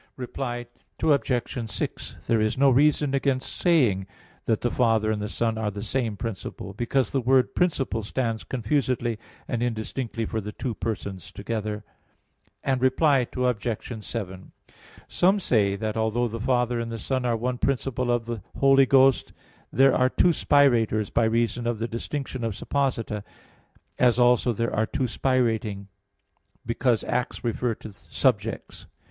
Reply Obj. 6: There is no reason against saying that the Father and the Son are the same principle, because the word "principle" stands confusedly and indistinctly for the two Persons together. Reply Obj. 7: Some say that although the Father and the Son are one principle of the Holy Ghost, there are two spirators, by reason of the distinction of supposita, as also there are two spirating, because acts refer to subjects.